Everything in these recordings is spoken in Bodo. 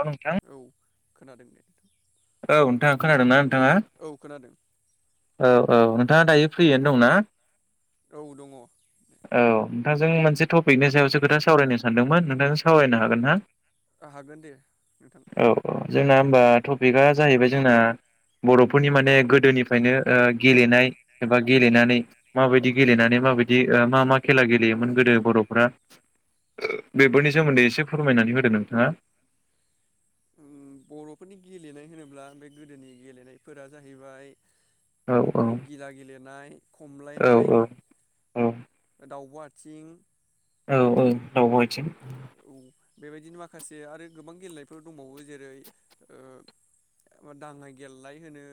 औ नोंथां। खोनादों दे। औ नोंथां खोनादों ना? औ खोनादों। औ औ नोंथाङा दायो फ्रियैनो दंना औ दङ'। औ नोंथांजों मोनसे टपिकनि सायावसो खोथा सावरायनो सानदोंमोन नोंथांजों सावरायनो हागोन ना। ओ हागोन दे नोंथां। औ औ जोंना होमबा टपिकआ जाहैबाय जोंना बर'फोरनि माने गोदोनिफ्रायनो गेलेनाय एबा गेलेनानै माबायदि गेलेनानै माबायदि मा मा खेला गेलेयोमोन गोदो बर'फ्रा बेफोरनि सोमोन्दै एसे फोरमायनानै होदों नोंथाङा। बर'फोरनि गेलेनाय होनोब्ला गोदोनि गेलेनायफोरा जाहैबाय औ औ गिला गेलेनाय औ खमलायनाय औ दावब' आथिं [inaudible] औ औ दावब'आथिं। औ बेबायदिनो माखासे आरो गोबां गेलेनायफोर दंबावो जेरै दांङाय गेलेनाय होनो।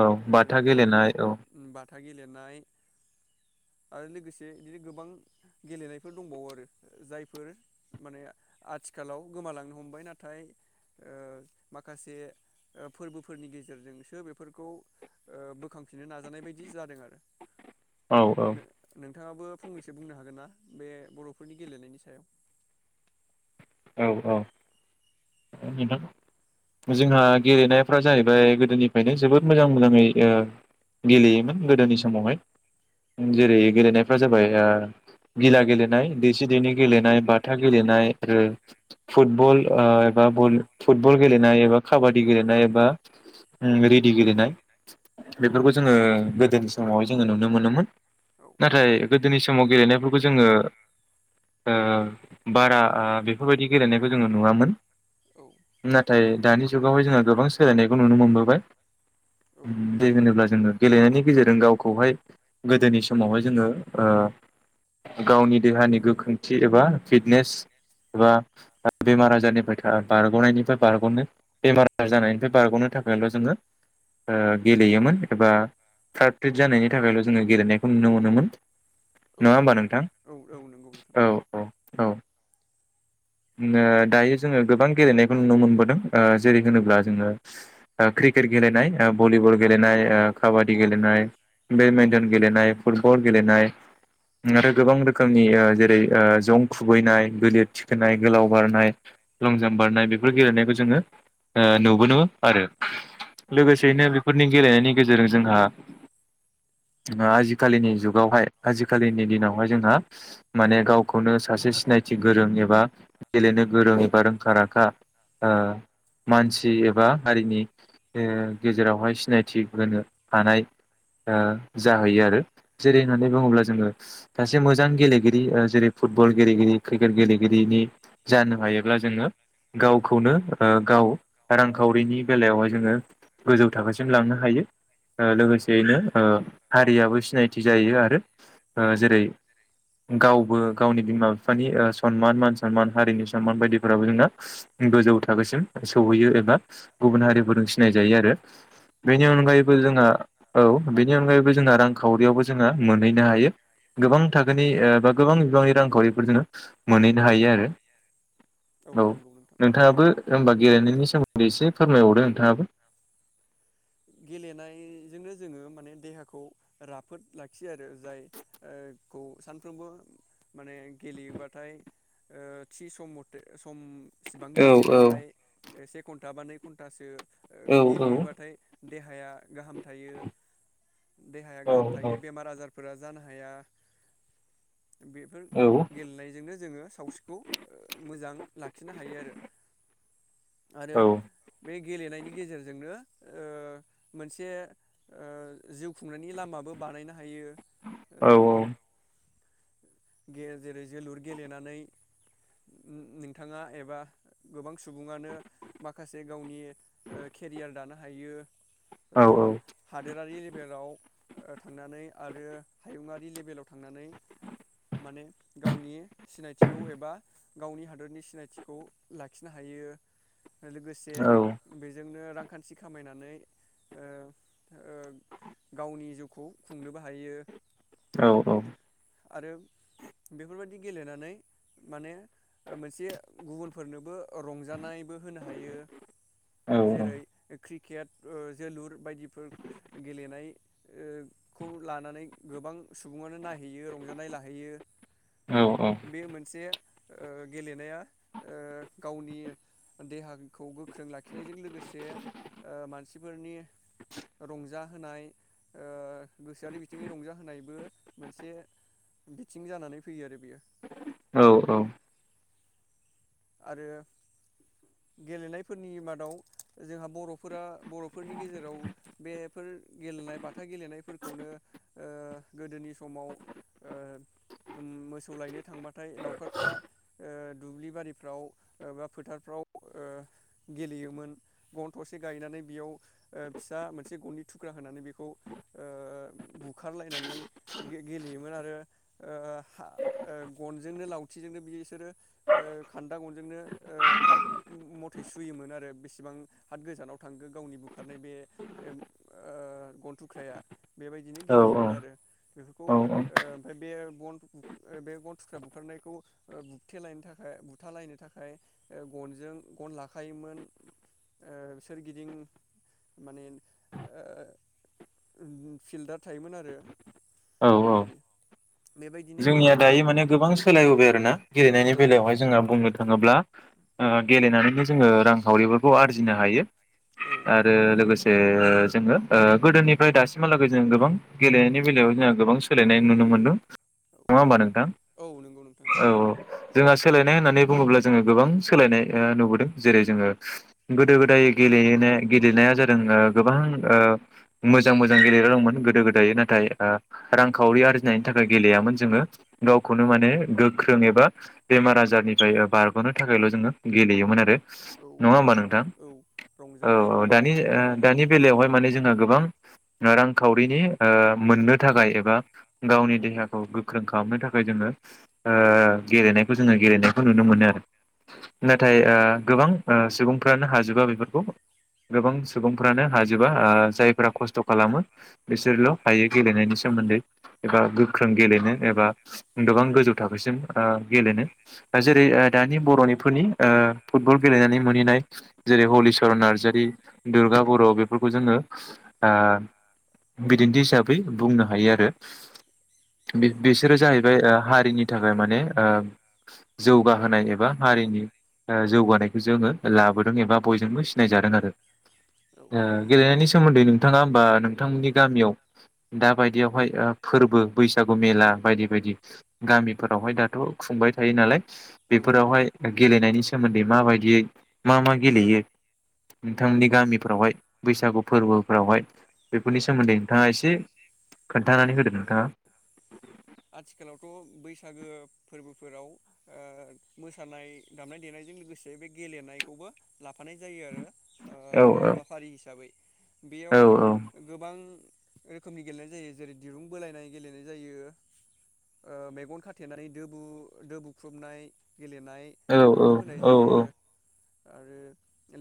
औ बाथा गेलेनाय औ। थागेलेनाय। आरो लोगोसे बिदिनो गोबां गेलेनायफोर दंबावो आरो जायफोर माने आथिखालाव गोमालांनो हमबाय नाथाय माखासे फोरबोफोरनि गेजेरजोंसो बेफोरखौ बोखांफिननो नाजानाय बायदि जादों आरो। औ औ। नोंथाङाबो फंनैसो बुंनो हागोन ना बे बर'फोरनि गेलेनायनि सायाव। औ औ। नोंथां जोंहा गेलेनायफ्रा जाहैबाय गोदोनिफ्रायनो जोबोद मोजां मोजाङै गेलेयोमोन गोदोनि समावहाय जेरै गेलेनायफ्रा जाबाय। गिला गेलेनाय दैसि दैनि गेलेनाय बाथा गेलेनाय आरो फुटबल एबा फुटबल गेलेनाय एबा काबादि गेलेनाय एबा रिदि गेलेनाय औ बेफोरखौ जोङो गोदोनि समावहाय जोङो नुनो मोनोमोन औ नाथाय गोदोनि समाव गेलेनायफोरखौ जोङो ओ बारा ओ बेफोरबायदि गेलेनायखौ जोङो नुवामोन। नाथाय दानि जुगावहाय जोंहा गोबां सोलायनायखौ नुनो मोनबोबाय बेे नंगौ होनोब्ला जोङो गेलेनायनि गेजेरजों गावखौहाय। गोदोनि समावहाय जोङो ओ गावनि देहानि गोख्रोंथि एबा फिटनेस एबा बेमार आजारनिफ्राय बारग'नायनिफ्राय बारग'नो बेमार आजार जानायनिफ्राय बारग'नो थाखायल' जोङो गेलेयोमोन एबा फ्राद-फ्रिट जानायनि थाखायल' जोङो गेलेनायखौ नुनो मोनोमोन औ नंगौ औ नङा दे होमबा नोंथां। औ औ नंगौ नोंथां औ औ औ। उम दायो। जोङो गोबां गेलेनायखौ नुनो मोनबोदों जेरै होनोब्ला जोङो क्रिकेट गेलेनाय भलिबल गेलेनाय काबादि गेलेनाय बेडमिन्टन गेलेनाय फुटबल गेलेनाय आरो गोबां रोखोमनि जेरै जं खुबैनाय गिलिर थिखोनाय गोलाव बारनाय लं जाम्प बारनाय बेफोर गेलेनायखौ जोङो नुबबोदों आरो। औ नंगौ लोगोसेयैनो नोंथां बेफोरनि गेलेनायनि गेजेरजों जोंहा‌। आजिखालिनि जुगावहाय आजिखालिनि दिनावहाय जोंहा माने गावखौनो सासे सिनायथि गोरों एबा गेलेनो गोरों बा रोंखा राखा मानसि एबा हारिनि गेजेरावहाय सिनायथि होनो हानाय जाहैयो आरो जेरै होननानै बुङोब्ला जोङो मोनसे मोजां गेलेगिरि जेरै फुटबल गेलेगिरि क्रिकेट गेलेगिरिनि जानो हायो। जोङो गावखौनो गाव रांखावरिनि बेलायावहाय जोङो गोजौ थाखोसिम लांनो हायो लोगोसेयैनो हारियाबो सिनायथि जायो आरो जेरै गावबो गावनि बिमा बिफानि सनमान मान सनमान हारिनि सनमान बायदि जों गोजौ थाखोसिम सहैयो एबा गुबुन हारिफोरजों सिनाय जायो आरो औ बेनि नंगौ अनगायैबो नोंथां जोंहा औ। [unintelligible] जोंना रां रांखावरियावबो जोङो मोनहैनो हायो गोबां थाखोनि बा गोबां बिबांनि रांखावरिफोर जोङो मोनहैनो हायो आरो। औ नंगौ नोंथां नोंथाङाबो होमबा गेलेनायनि सोमोन्दै एसे फोरमायहरदो नोंथाङाबो। बेजोंनो जोङो माने देहाखौ राफ फोद लाखियो आरो जाय ओ खौ सानफ्रोमबो माने गेलेयोबाथाय ओ थि सम मथे सम इसेबां औ गेलेयोबाथाय से घन्टा बा नै घन्टासो ओ औ औ गेलेयोबाथाय देहाया गाहाम थायो देहाया औ गाहाम औ थायो बेमार आजार फोरा जानो हाया। औ बेफोर गेलेनायजोंनो जोङो सावस्रिखौ मोजां लाखिनो हायो आरो। आरो बे गेलेनायनि गेजेरजोंनो ओ मोनसे ओ जिउ खुंनायनि लामाबो बानायनो हायो। ओ औ औ। जेरै जोलुर गेलेनानै नोंथाङा एबा गोबां सुबुङानो माखासे गावनि ओ केरियार दानो हायो। ओ हादोरारि लेभेलाव ओ थांनानै आरो हायुङरारि लेभेलाव थांनानै माने गावनि सिनायथिखौ एबा गावनि हादरनि सिनायथिखौ लाखिनो हायो। लोगोसे बेजोंनो रां खान्थि खामायनानै ओ ओ गावनि जिउखौ खुंनोबो हायो। औ औ। आरो बेफोरबायाददि गेलेनानै माने मोनसे गुबुनफोरनोबो रंजानायबो होनो हायो जेरै क्रिकेट ओ जोलुर बायदिफोर गेलेनाय ओ खौ लानानै गोबां सुबुङानो नायहैयो रं हायो औ औ बे मोनसे ओ गेलेनाया ओ गावनि देहाखौ गोख्रों लाखिनायजों लोगोसे ओ मानसिफोरनि रंजाहोनाय ओ गोसोआरि बिथिंनि रंजाहोनायबो मोनसे बिथिं जानानै फैयो आरो बियो। औ औ। आरो गेलेनायफोरनि मादाव जोंहा बर'फोरा बर'फोरनि गेजेराव बेफोर गेलेनाय बाथा गेलेनायफोरखौनो ओ गोदोनि समाव ओ मोसौ लायनो थांबाथाय लावखारफ्रा ओ दुब्लि बारि फ्राव बा फोथारफ्राव ओ गेलेयोमोन गन थसे गायनानै बेयाव ओ फिसा मोनसे गननि थुख्रा होनानै बेखौ ओ बुखारलायनानै गेलेयोमोन ओ आरो गनजोंनो लावथिजोंनो बि बिसोरो ओ खान्दा गनजोंनो ओ हाथ मथे सुयोमोन आरो बेसेबां हाथ गोजानाव थांखो गावनि बुखारनाय बे ओ गन थुख्राया बेबायदिनो औ गेलेयोमोन आरो बेफोरखौ औ ओ ओमफ्राय बे बन बे बन थुख्रा बुखारनायखौ बुथेलायनो थाखाय थालायनो थाखाय गनजों गन लाखायोमोन ओ सोरगिदिं माने ओ फिल्दा थायोमोन आरो। औ औ बेफोरबायदि बेबायदिनो जोंनिया गेलेनाय दायो जायोमोन माने आरो गोबां सोलायबोबाय आरोना गेलेनायनि औ बेलायावहाय जोंहा बुंनो थाङोब्ला ओ गेलेनानैनो जोङो रांखावरिफोरखौ आरजिनो हायो। औ आरो लोगोसे जोङो ओ गोदोनिफ्राय दासिमहालागै जों गोबां गेलेनायनि बेलायाव जोंहा गोबां सोलायनाय नुनो मोनदों। नङा होमबा नोंथां? औ नंगौ नोंथां औ औ जोंहा सोलायनाय होननानै बुङोब्ला जोङो गोबां सोलायनाय ओ नुबोदों जेरै जोङो गोदो गोदाय गेलेनो गेलेनाया जादों ओ गोबां ओ मोजां मोजां गेलेग्रा दंमोन गोदो गोदाय नाथाय ओ रांखावरि आरजिनायनि थाख [unintelligible] गेलेयामोन जोङो गावखौनो माने गोख्रों एबा बेमार आजारनिफ्राय ओ बारग'नो थाखायल' जोङो गेलेयोमोन आरो‌ औ नङा होमबा नोंथां औ औ रंजानाय औ आरो दानि ओ बेमार दानि आजारनिफ्राय बारग'नो बेलायावहाय थाखाय माने औ जोंहा गोबां रांखाव बिदि ओ मोननो थाखाय एबा गावनि देह देहाखौ गोख्रों खालामनो थाखाय जोङो ओ गेलेनायखौ जोङो गेलेनायखौ नुनो मोनो आरो। जों नाथाय ओ गोबां ओ सुबुंफ्रानो हाजोबा बेफोरखौ गोबां सुबुंफ्रानो हाजोबा ओ जायफ्रा खस्थ' खालामो बिसोरल' हायो गेलेनायनि सोमोन्दै एबा गोख जों गेलेनो एबा गोबां गोजौ थाखोसिम ओ गेलेनो दा जेरै ओ दानि बर'निफोरनि ओ फुटबल गेलेनानै मोनहैनाय जेरै हलिचरन नार्जारि, दुर्गा बर' बेफोरखौ जोङो आ बिदिन्थि हिसाबै बुंनो हायो आरो बिसोरो जाहैबाय ओ हारिनि थाखाय माने ओ होनाय एबा हारिनि ओ जौगानायखौ जोङो लाबोदों एबा बयजोंबो सिनायजादों आरो ओ गेलेनायनि सोमोन्दै नों नोंथाङा होमबा नोंथांमोननि गामियाव दा बायदियावहाय ओ फोरबो बैसागु मेला बायदि बायदि गामिफोरावहाय दाथ' खुंबाय थायो नालाय औ बेफोरावहाय गेलेनायनि सोमोन्दै माबायदियै मा मा गेलेयो नोंथांमोननि गामिफ्रावहाय बैसागु फोरबोफ्रावहाय बेफोरनि सोम दे नोंथाङा एसे खोन्थानानै होदो नोंथाङा आथिखालावथ' बैसागो फोरबोफोराव ओ मोसानाय दामनाय देनायजों लोगोसे बे गेलेनायखौबो लाफा थानाय जायो आरो औ औ हाबाफारि हिसाबै औ बेयाव औ गोब [unintelligible] रोखोमनि गेलेनाय जायो। जेरै दिरुं बोलायनाय गेलेनाय जायो ओ मेगन खाथेनानै दो बु दो बुख्रुबनाय गेलेनाय औ बेफोरखौ होनाय जायो। आरो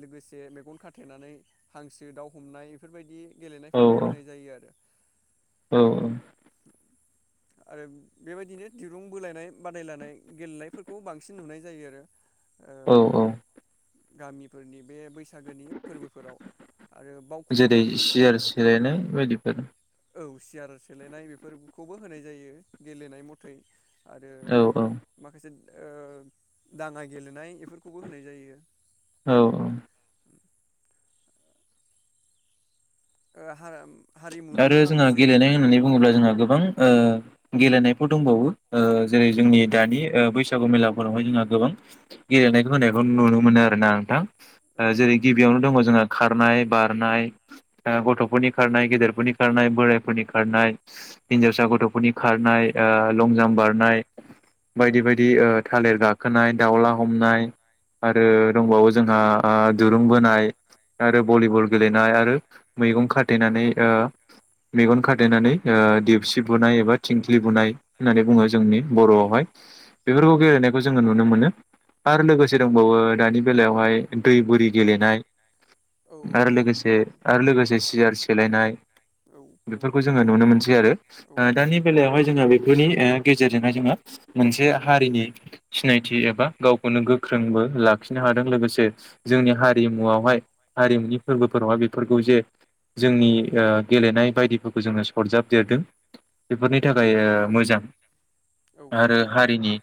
लोगोसे मेगन खाथायेनानै हांसो दाउ हमनाय बेफोरबायदि गेलेना खौ होनाय जायो आरो। औ औ आरो बेबायदिनो दिरुं बोलायनाय बादायलायनाय गेलेनायफोरखौ बांसिन नुनाय जायो आरो। ओ औ औ गामिफोरनि बे बैस बैसागोनि फोरबोफोराव आरो जेरै बावखुंग्रि सियार सिलायनाय बायदिफोर औ सियार गेलेनाय बेफोरखौबो होनाय जायो गेलेनाय मथै आरो औ औ औ माखासे ओ दांङा गेलेनाय बेफोरखौबो होनाय जायो। औ औ ओ हाराम आरो जोंहा गेलेनाय होननानै बुङोब्ला जोंहा गोबां ओ गेलेनायफोर दंबावो ओ जेरै जोंनि दानि बैसागु मेलाफोरावहाय जोंहा गोबां गेलेनायखौ होनायखौ नुनो मोनो आरोना नोंथां ओ औ जेरै नंगौ गिबियावनो दङ जोंहा खार नार बारनाय ओ गथफोरनि खारनाय गदेर हफोरनि खारनाय बोराइफोरनि खारनाय हिन्जावसा गथफोरनि खारनाय ओ लंजाम्प बारनाय बायदि बायदि ओ थालिर गाखोनाय दाउला हमनाय आरो दंबावो जोंहा ओ दुरुं बोनाय आरो भलिबल गेलेनाय आरो मेगन खाथेनानै ओ मेगन खाथेनानै ओ देपसि बुनाय एबा थिंख्लि बुनाय होननानै बुंङो जोंनि बरआवहाय औ बेफोरखौ नंगौ गेलेनायखौ नोंथां जोंङो नुनो मोनो आरो लोगोसे दंबावो दानि बेलायावहाय दै बुरि गेलेनाय औ आरो लोगोसे नंगौ नोंथां आरो लोगोसे सियार सेलायनाय औ नंगौ बेफोरखौ नोंथां जोङो नुनो मोनसै आरो औ ओ दानि बेलायावहाय जोंहा बेफोरनि गेजेरजोंहाय जोंङो मोनसे हारिनि सिनायथि एबा गावखौनो गोख्रोंबो लाखिनो हादों लोगोसे जोंनि हारिमुआवहाय हारिमुनि फोरबोफोरावहाय बेफोरखौ एसे जोंनि गेलेनाय बायदिफोरखौ जोङो सरजाबदेरदों बेफोरनि थाखाय ओ मोजां औ आरो नंगौ नोंथां हारिनि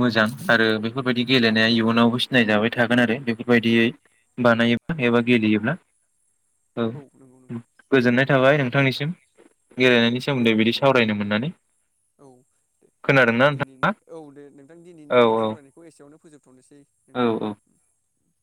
मोजां आरो बेफोरबायदि गेलेनाया इयुनावबो सिनायजाबाय थागोन आरो बेफोरबायदियै बानायोब्ला एबा गेलेयोब्ला नंगौ नोंथां औ गोजोननाय थाबाय नोंथांनिसिम औ गेलेनायनि दे सोमोन्दै बिदि सावरायनो मोननानै खोनादोंना नोंथाङा औ औ औ [inaudible]